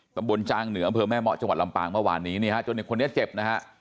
ตำบลจางเหนืออำเภอแม่เมาะจังหวัดลำปางเมื่อวานนี้จนในคนนี้เจ็บนะฮะ